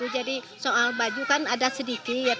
jadi soal baju kan ada sedikit